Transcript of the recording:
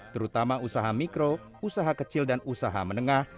terutama usaha mikro usaha kecil dan usaha menengah